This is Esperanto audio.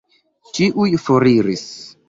Ĉiuj foriris.